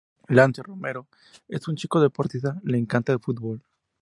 Lance Romero.Es un chico deportista, le encanta el fútbol.